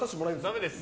ダメです。